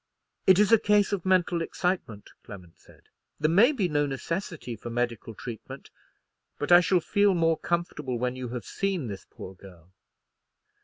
"It is a case of mental excitement," Clement said. "There may be no necessity for medical treatment; but I shall feel more comfortable when you have seen this poor girl."